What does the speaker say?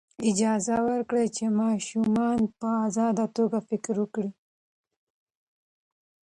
اجازه ورکړئ چې ماشومان په ازاده توګه فکر وکړي.